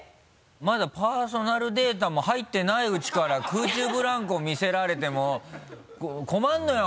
まだパーソナルデータも入ってないうちから空中ブランコ見せられても困るのよ